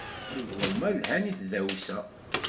Igumma lhan i tdawsa.